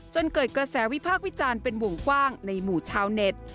จนเกิดกระแสวิพากษ์วิจารณ์เป็นวงกว้างในหมู่ชาวเน็ต